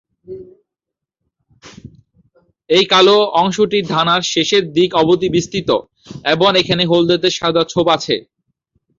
এই কালো অংশটি ডানার শেষের দিক অবধি বিস্তৃত এবং এখানে হলদেটে সাদা ছোপ আছে।